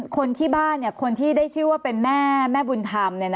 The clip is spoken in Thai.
คนที่บ้านคนที่ได้ชื่อว่าเป็นแม่บุญธรรม